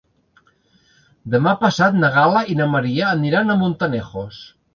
Demà passat na Gal·la i na Maria aniran a Montanejos.